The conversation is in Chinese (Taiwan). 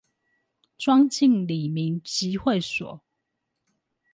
莊敬里民集會所